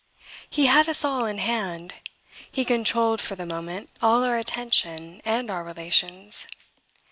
He had us all in hand; he controlled for the moment all our attention and our relations.